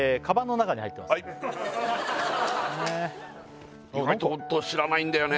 はい意外とホント知らないんだよね